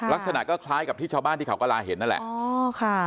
ลักษณะก็คล้ายกับที่ชาวบ้านที่เขากระลาเห็นนั่นแหละ